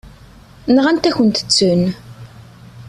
Nɣant-akent-ten.